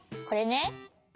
これね？